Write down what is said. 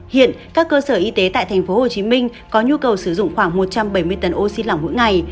hiện các cơ sở y tế tại tp hcm có nhu cầu sử dụng khoảng một trăm bảy mươi tấn oxy lỏng mỗi ngày